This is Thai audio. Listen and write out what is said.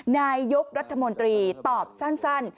นายกรัฐมนตรีตอบสั้น